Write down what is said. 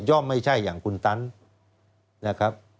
ไม่ใช่อย่างคุณตันนะครับ